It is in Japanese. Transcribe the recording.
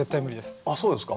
あっそうですか。